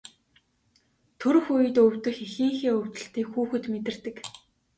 Төрөх үед өвдөх эхийнхээ өвдөлтийг хүүхэд мэдэрдэг.